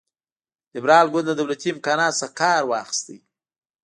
لېبرال ګوند له دولتي امکاناتو څخه کار واخیست.